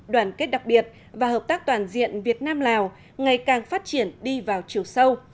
đoàn kết đặc biệt và hợp tác toàn diện việt nam lào ngày càng phát triển đi vào chiều sâu